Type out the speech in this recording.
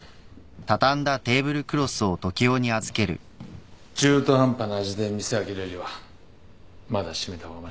中途半端な味で店開けるよりはまだ閉めた方がましだ。